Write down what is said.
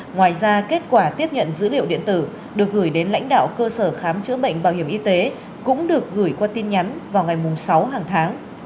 ngoài ra kết quả tiếp nhận dữ liệu điện tử được gửi đến lãnh đạo cơ sở khám chữa bệnh bảo hiểm y tế cũng được gửi qua tin nhắn vào ngày sáu hàng tháng